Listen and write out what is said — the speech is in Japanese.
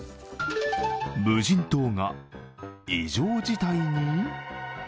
無人島が異常事態に？